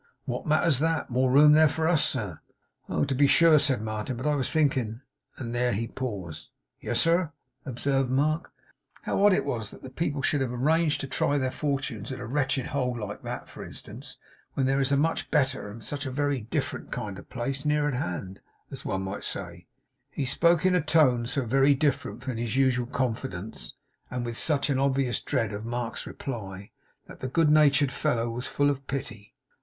What matters that! More room there for us, sir.' 'Oh, to be sure!' said Martin. 'But I was thinking ' and there he paused. 'Yes, sir?' observed Mark. 'How odd it was that the people should have arranged to try their fortune at a wretched hole like that, for instance, when there is such a much better, and such a very different kind of place, near at hand, as one may say.' He spoke in a tone so very different from his usual confidence, and with such an obvious dread of Mark's reply, that the good natured fellow was full of pity.